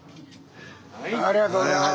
ありがとうございます。